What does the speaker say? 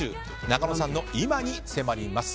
中野さんの今に迫ります。